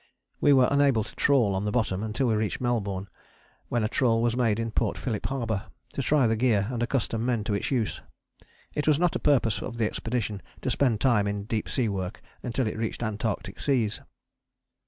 We were unable to trawl on the bottom until we reached Melbourne, when a trawl was made in Port Phillip Harbour to try the gear and accustom men to its use. It was not a purpose of the expedition to spend time in deep sea work until it reached Antarctic seas.